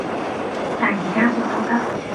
但而家食都得